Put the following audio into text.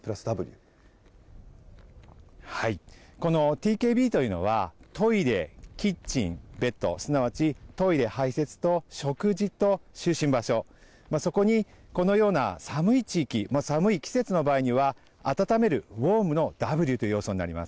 このＴＫＢというのはトイレ、キッチン、ベッド、すなわち、トイレ、排せつと、食事と就寝場所、そこにこのような寒い地域、寒い季節の場合には、温めるウォームのＷという要素になります。